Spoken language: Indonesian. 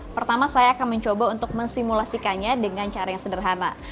pertama saya akan mencoba untuk mensimulasikannya dengan cara yang sederhana